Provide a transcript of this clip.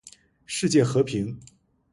世界和平